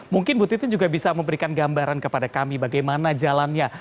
mungkin bu titin juga bisa memberikan gambaran kepada kami bagaimana jalannya